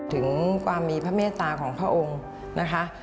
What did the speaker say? ถึงความมีพระเมตตาของพระองค์นะคะ